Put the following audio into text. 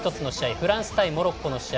フランス対モロッコの試合